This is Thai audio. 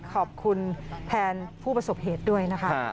ขอบคุณแทนผู้ประสบเหตุด้วยนะคะ